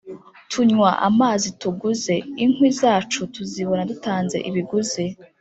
Tunywa amazi tuguze, Inkwi zacu tuzibona dutanze ibiguzi.